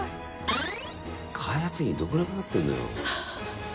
開発費どんくらいかかってんのよ。